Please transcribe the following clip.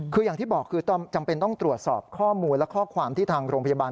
คืออย่างที่บอกคือจำเป็นต้องตรวจสอบข้อมูลและข้อความที่ทางโรงพยาบาล